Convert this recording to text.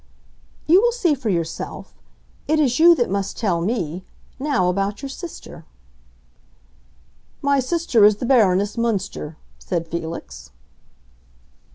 "You will see for yourself. It is you that must tell me; now, about your sister." "My sister is the Baroness Münster," said Felix.